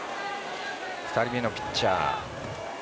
２人目のピッチャー。